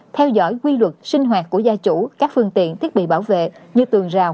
theo dõi quy luật sinh hoạt của gia chủ các phương tiện thiết bị bảo vệ như tường rào